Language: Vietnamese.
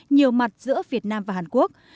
nhiều mặt giữa việt nam và hàn quốc